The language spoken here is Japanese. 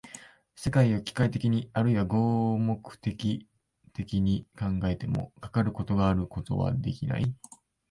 世界を機械的にあるいは合目的的に考えても、かかることがあることはできない。